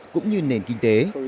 cũng như nền kinh tế